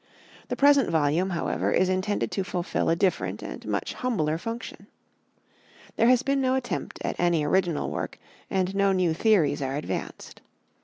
The present volume, however, is intended to fulfil a different and much humbler function. There has been no attempt at any original work, and no new theories are advanced.